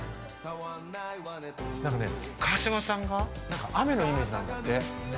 何かね川島さんが雨のイメージなんだって。